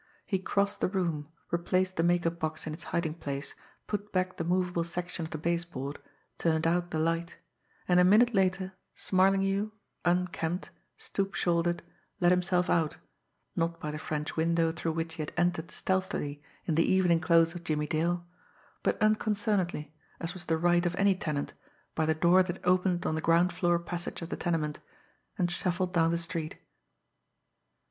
He crossed the room, replaced the make up box in its hiding place, put back the movable section of the base board, turned out the light and a minute later, Smarlinghue, unkempt, stoop shouldered, let himself out, not by the French window through which he had entered stealthily in the evening clothes of Jimmie Dale, but unconcernedly, as was the right of any tenant, by the door that opened on the ground floor passage of the tenement, and shuffled down the street.